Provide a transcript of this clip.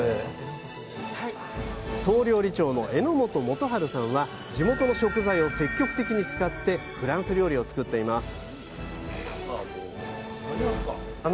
総料理長の榎本元映さんは地元の食材を積極的に使ってフランス料理を作っています